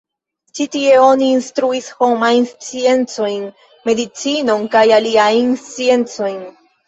Ĉi tie oni instruis homajn sciencojn, medicinon kaj aliajn sciencojn.